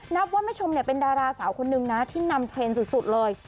นับว่าแม่ชมเนี่ยเป็นดาราสาวคนนึงนะที่นำเทรนด์สุดเลย